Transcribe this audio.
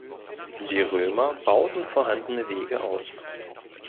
Die Römer bauten vorhandene Wege aus.